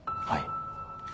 はい。